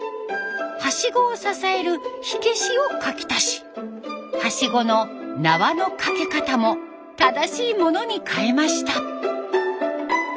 はしごを支える火消しを描き足しはしごの縄のかけ方も正しいものに変えました。